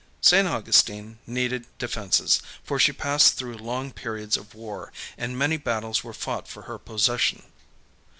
St. Augustine needed defenses, for she passed through long periods of war, and many battles were fought for her possession.